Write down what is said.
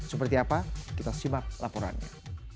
seperti apa kita simak laporannya